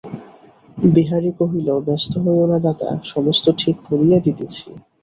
বিহারী কহিল, ব্যস্ত হইয়ো না দাদা, সমস্ত ঠিক করিয়া দিতেছি।